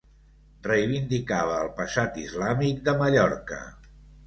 Reivindicava el passat islàmic de Mallorca.